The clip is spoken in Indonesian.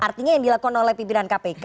artinya yang dilakukan oleh pimpinan kpk